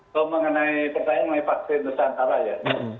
kalau mengenai pertanyaan mengenai vaksin nusantara ya